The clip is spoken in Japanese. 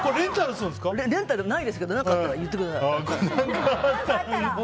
レンタルないですけど何かあったら言ってください。